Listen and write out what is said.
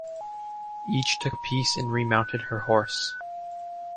Each took a piece and remounted her horse.